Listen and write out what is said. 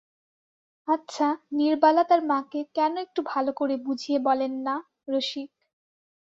আচ্ছা, নীরবালা তাঁর মাকে কেন একটু ভালো করে বুঝিয়ে বলেন না– রসিক।